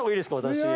私。